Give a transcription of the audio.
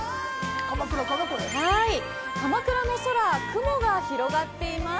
鎌倉の空雲が広がっています。